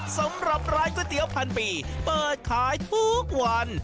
สำหรับร้านก๋วยเตี๋ยวพันปีเปิดขายทุกวัน